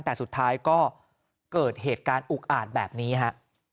แต่สุดท้ายก็เกิดเหตุการณ์อุกอาจแบบนี้ฮะ